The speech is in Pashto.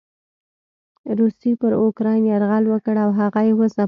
روسيې پر اوکراين يرغل وکړ او هغه یې وځپلو.